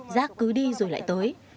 giác cứ đi rồi lại tới